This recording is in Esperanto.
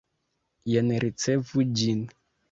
Jen ricevu ĝin!